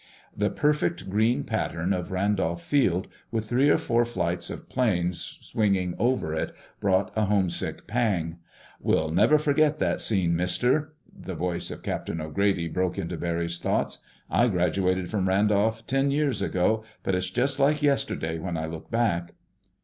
The perfect green pattern of Randolph Field, with three or four flights of planes swinging over it, brought a homesick pang. "We'll never forget that scene, Mister," the voice of Captain O'Grady broke into Barry's thoughts. "I graduated from Randolph ten years ago, but it's just like yesterday when I look back."